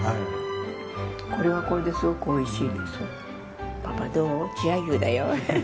これはこれですごくおいしいです。